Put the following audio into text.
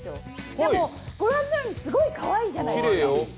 でも、御覧のようにすごいかわいいじゃないですか。